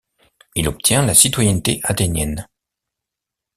Il obtient la citoyenneté athénienne.